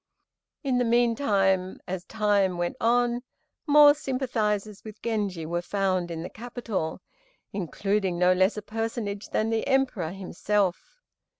In the meantime, as time went on, more sympathizers with Genji were found in the capital, including no less a personage than the Emperor himself.